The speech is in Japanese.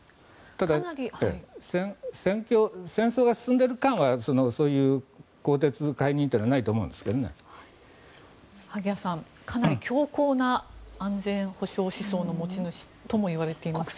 ただ、戦争が進んでいる間はそういう更迭解任は萩谷さん、かなり強硬な安全保障思想の持ち主ともいわれていますが。